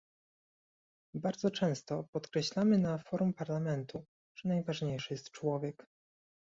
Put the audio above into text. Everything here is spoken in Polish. Bardzo często podkreślamy na forum Parlamentu, że najważniejszy jest człowiek